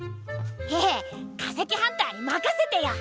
ヘヘッ化石ハンターに任せてよ！